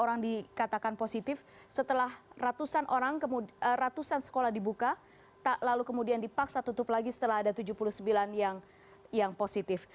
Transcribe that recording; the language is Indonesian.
orang dikatakan positif setelah ratusan sekolah dibuka lalu kemudian dipaksa tutup lagi setelah ada tujuh puluh sembilan yang positif